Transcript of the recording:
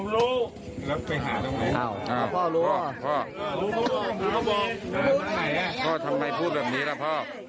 รู้แล้วบอกตรงนี้เลยคุณหนุ่มจะได้ไม่ต้องกดหน่อยกันแบบนี้พ่อ